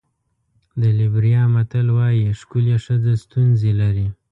د لېبریا متل وایي ښکلې ښځه ستونزې لري.